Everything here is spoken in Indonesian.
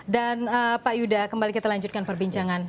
dan pak yuda kembali kita lanjutkan perbincangan